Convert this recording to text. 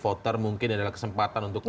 voter mungkin adalah kesempatan untuk